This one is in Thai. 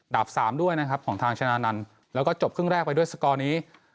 ๓ด้วยนะครับของทางชนะนันต์แล้วก็จบครึ่งแรกไปด้วยสกอร์นี้